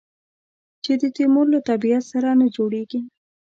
چې د تیمور له طبیعت سره نه جوړېږي.